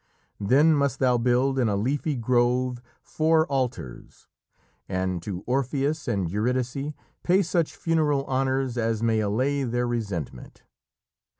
Then must thou build in a leafy grove four altars, and to Orpheus and Eurydice pay such funeral honours as may allay their resentment.